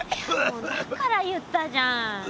もうだから言ったじゃん。